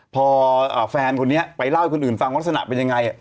พอแฟนคนนี้ไปเล่าให้คนอื่นฟังลักษณะเป็นยังไง